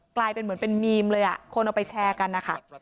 กลายเป็นเหมือนเป็นมีมเลยคนเอาไปแชร์กันนะคะ